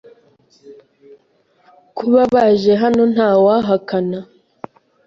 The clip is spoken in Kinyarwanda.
Kuba baje hano ntawahakana.